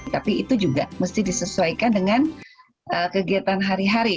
tapi itu juga mesti disesuaikan dengan kegiatan hari hari